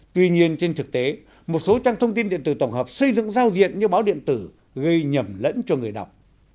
tuy nhiên trên thực tế một số trang thông tin điện tử tổng hợp xây dựng giao diện như báo điện tử gây nhầm lẫn cho người đọc